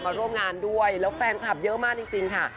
ร่วมงานด้วยแล้วแฟนคลับเยอะมากจริงค่ะ